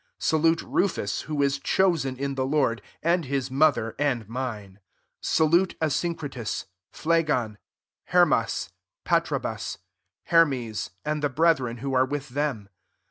13 Salute Rufus, who is chosen in the Lord; and his mother and mine. 14 Salute Asyncritus, Phlegon, Hermas, Patrobas, Hermes, and the brethren who are with them.